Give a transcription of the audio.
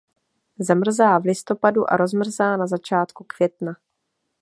Zamrzá v listopadu a rozmrzá na začátku května.